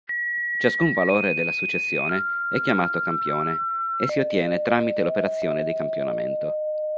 Ciascun valore della successione è chiamato campione e si ottiene tramite l'operazione di campionamento.